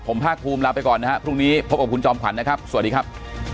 ผมภาคภูมิลาไปก่อนนะครับพรุ่งนี้พบกับคุณจอมขวัญนะครับสวัสดีครับ